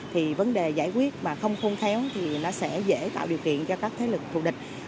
thì vấn đề giải quyết mà không khôn khéo thì nó sẽ dễ tạo điều kiện cho các thế lực thù địch